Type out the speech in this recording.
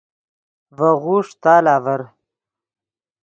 ڤے غوݰ تال آڤر